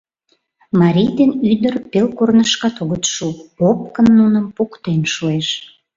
Марий ден ӱдыр пел корнышкат огыт шу — опкын нуным поктен шуэш.